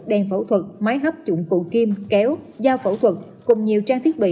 đèn phẫu thuật máy hấp trụng cụ kim kéo da phẫu thuật cùng nhiều trang thiết bị